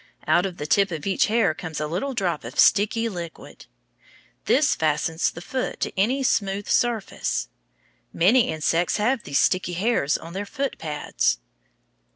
Out of the tip of each hair comes a little drop of sticky liquid. This fastens the foot to any smooth surface. Many insects have these sticky hairs on their foot pads.